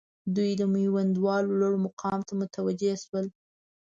دوی د میوندوال لوړ مقام ته متوجه شول.